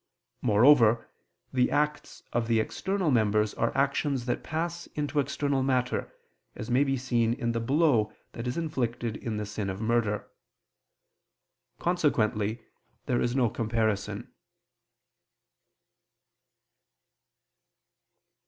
Moreover, the acts of the external members are actions that pass into external matter, as may be seen in the blow that is inflicted in the sin of murder. Consequently there is no comparison.